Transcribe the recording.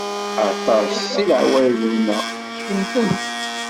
Aṭas si leɛwayed-nneɣ, cemtent.